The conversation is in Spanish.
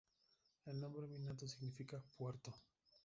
El nombre minato significa "puerto".